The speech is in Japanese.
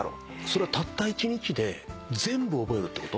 たった一日で全部覚えるってこと？